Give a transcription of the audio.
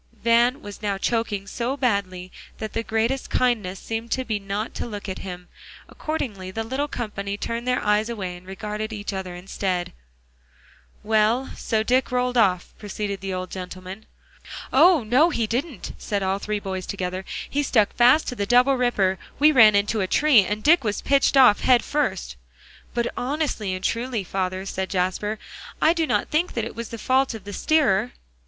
Van was now choking so badly that the greatest kindness seemed to be not to look at him. Accordingly the little company turned their eyes away, and regarded each other instead. "Well, so Dick rolled off?" proceeded the old gentleman. "Oh! no, he didn't," said all three boys together; "he stuck fast to the double ripper; we ran into a tree, and Dick was pitched off head first." "But honestly and truly, father," said Jasper, "I do not think that it was the fault of the steerer."